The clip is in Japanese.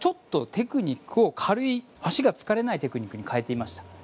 テクニックを軽い、足が疲れないテクニックに変えていました。